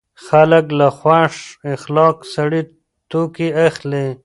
خلک له خوش اخلاقه سړي توکي اخلي.